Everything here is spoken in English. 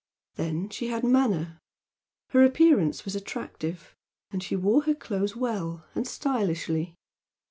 Then, she had "manner," her appearance was attractive and she wore her clothes well and stylishly.